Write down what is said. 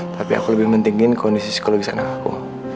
tapi aku lebih pentingin kondisi psikologis anak aku